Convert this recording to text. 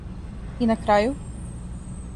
И на крају?